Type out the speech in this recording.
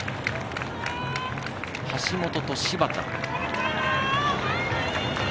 橋本と柴田。